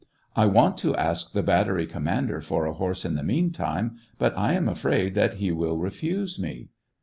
I want to ask the battery commander for a horse in the meantime, but I am afraid that he will refuse me."